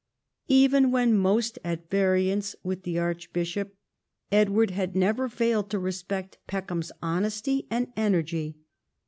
Even when most at variance with the archbishop Edward had never failed to respect Peckham's honesty and energy.